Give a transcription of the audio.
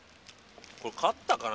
これ勝ったかな？